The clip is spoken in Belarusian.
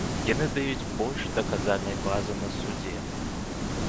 Яны даюць больш даказальнай базы на судзе.